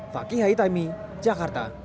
fakih haitaimi jakarta